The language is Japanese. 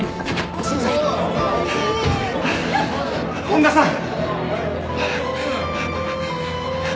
本多さん！